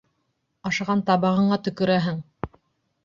Ашаған табағыңа төкөрәһең!